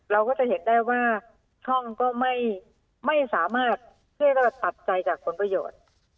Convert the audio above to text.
เราก็จะเห็นได้ว่าช่องก็ไม่สามารถที่จะตัดใจจากผลประโยชน์